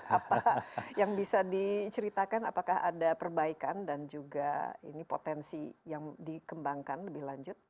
apa yang bisa diceritakan apakah ada perbaikan dan juga ini potensi yang dikembangkan lebih lanjut